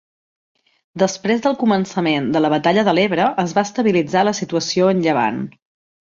Després del començament de la batalla de l'Ebre es va estabilitzar la situació en Llevant.